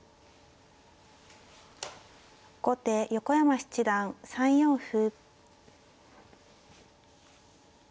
後手横山七段３四歩。